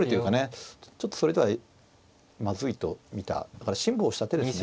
ちょっとそれではまずいと見た辛抱した手ですね。